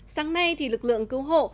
sáng nay thì lực lượng cứu hộ